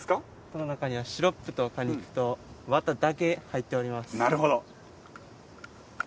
この中にはシロップと果肉とワタだけが入っています。